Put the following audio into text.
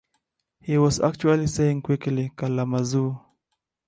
He was actually saying quickly Kalamazoo.